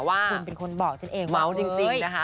ว่าคุณเป็นคนบอกฉันเองว่าเฮ้ย